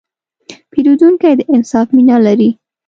پیرودونکی د انصاف مینه لري.